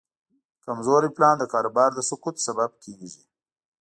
کمزوری پلان د کاروبار د سقوط سبب کېږي.